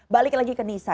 balik lagi ke nisa